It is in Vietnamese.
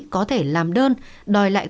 có thể làm đơn đòi lại